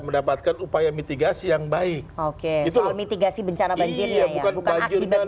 mendapatkan upaya mitigasi yang baik oke itu mitigasi bencana banjirnya ya bukan